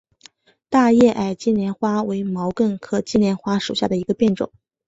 大叶矮金莲花为毛茛科金莲花属下的一个变种。